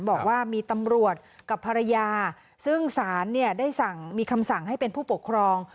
บอกว่ามีตำรวจกับภรรยาซึ่งศาลเนี่ยได้สั่งมีคำสั่งให้เป็นผู้ปกครอง